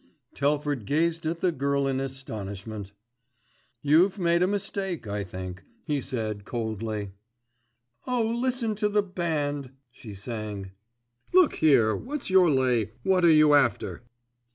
Telford gazed at the girl in astonishment. "You've made a mistake, I think," he said coldly. "Oh, listen to the band," she sang. "Look here, what's your lay, what are you after?"